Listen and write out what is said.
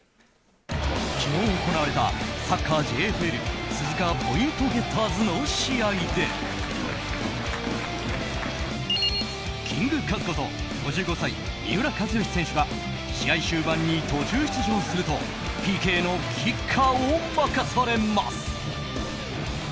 昨日行われた、サッカーＪＦＬ鈴鹿ポイントゲッターズの試合でキングカズこと５５歳、三浦知良選手が試合終盤に途中出場するとＰＫのキッカーを任されます。